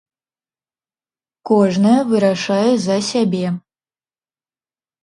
Кожная вырашае за сябе.